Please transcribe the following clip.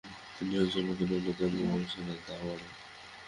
তিনি হলেন সর্বকালের অন্যতম সেরা দাবাড়ু।